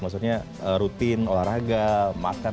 maksudnya rutin olahraga makan